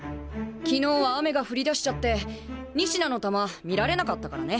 昨日は雨が降りだしちゃって仁科の球見られなかったからね。